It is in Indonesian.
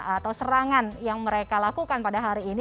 atau serangan yang mereka lakukan pada hari ini